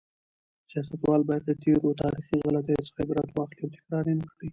سیاستوال باید د تېرو تاریخي غلطیو څخه عبرت واخلي او تکرار یې نکړي.